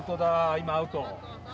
今アウト。